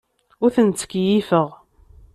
Ur ten-ttkeyyifeɣ.